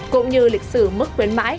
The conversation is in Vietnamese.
cũng như lịch sử mức khuyến mãi